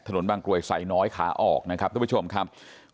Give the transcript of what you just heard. บางกรวยไซน้อยขาออกนะครับทุกผู้ชมครับ